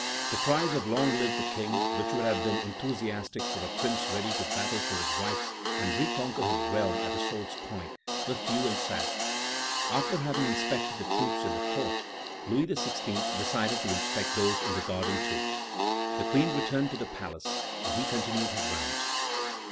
The cries of "Long live the King!" which would have been enthusiastic for a prince ready to battle for his rights and reconquer his realm at the sword's point, were few and sad. After having inspected the troops in the courts, Louis XVI. decided to inspect those in the garden also. The Queen returned to the palace, and he continued his rounds.